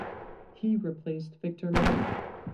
He replaced Victor Mutt.